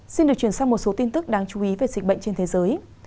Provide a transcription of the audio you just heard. xin được chuyển sang một số tin tức đáng chú ý về dịch bệnh trên thế giới